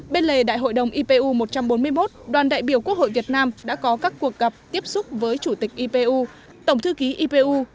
bên lề đại hội đồng ipu một trăm bốn mươi một đoàn đại biểu quốc hội việt nam đã có các cuộc gặp tiếp xúc với chủ tịch ipu tổng thư ký ipu